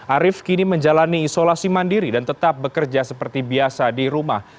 arief kini menjalani isolasi mandiri dan tetap bekerja seperti biasa di rumah